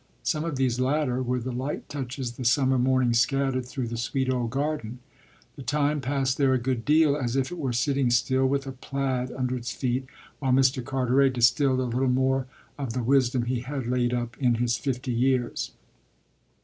Some of these latter were the light touches the summer morning scattered through the sweet old garden. The time passed there a good deal as if it were sitting still with a plaid under its feet while Mr. Carteret distilled a little more of the wisdom he had laid up in his fifty years.